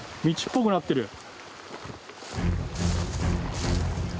道っぽくなってる。